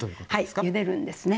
はいゆでるんですね。